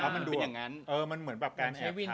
มันเหมือนแบบการแอบถ่าย